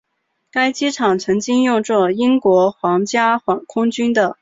该机场曾经用作英国皇家空军的。